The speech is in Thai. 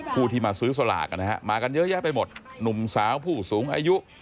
ผู้ที่มาซื้อสลากนะฮะมากันเยอะแยะไปหมดหนุ่มสาวผู้สูงอายุ